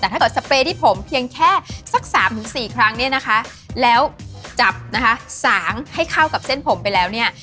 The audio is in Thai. แต่ถ้าเกิดสเปรย์ที่ผมเพียงแค่สักสามถึงสี่ครั้งเนี่ยนะคะแล้วจับนะคะสางให้เข้ากับเส้นผมไปแล้วเนี่ย